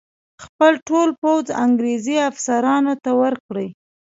خپل ټول پوځ انګرېزي افسرانو ته ورکړي.